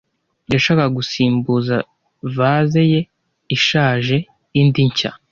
Yashakaga gusimbuza vase ye ishaje indi nshya.